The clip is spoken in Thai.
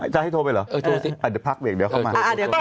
จะให้โทรไปเหรอเดี๋ยวพักเบรกเดี๋ยวเข้ามา